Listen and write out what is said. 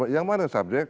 yang mana subjek